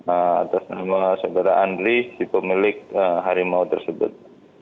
atas nama saudara andri si pemilik harimau tersebut